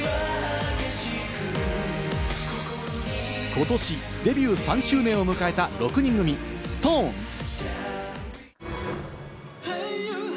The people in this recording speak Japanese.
ことしデビュー３周年を迎えた６人組、ＳｉｘＴＯＮＥＳ。